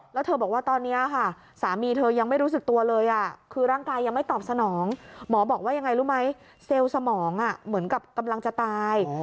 แล้วเธอบอกว่าตอนนี้ค่ะสามีเธอยังไม่รู้สึกตัวเลยคือร่างกายยังไม่ตอบสนองหมอบอกว่ายังไงรู้ไหมเซลล์สมองเหมือนกับกำลังจะตาย